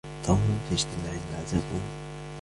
توم في اجتماع مع زبون.